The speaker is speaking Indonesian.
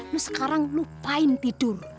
lu sekarang lupain tidur